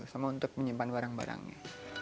sama untuk menyimpan barang barangnya